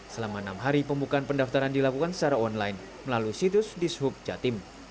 selama enam hari pembukaan pendaftaran dilakukan secara online melalui situs dishub jatim